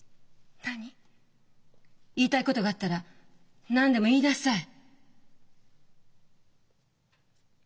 言いたいことがあったら何でも言いなさい。